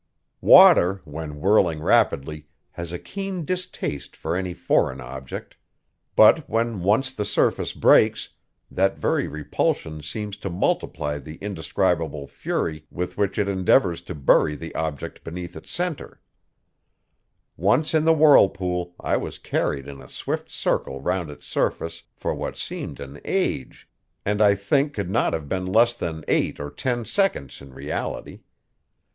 Water, when whirling rapidly, has a keen distaste for any foreign object; but when once the surface breaks, that very repulsion seems to multiply the indescribable fury with which it endeavors to bury the object beneath its center. Once in the whirlpool, I was carried in a swift circle round its surface for what seemed an age, and I think could not have been less than eight or ten seconds in reality.